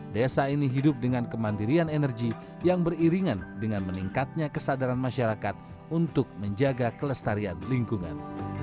desa ini hidup dengan kemandirian energi yang beriringan dengan meningkatnya kesadaran masyarakat untuk menjaga kelestarian lingkungan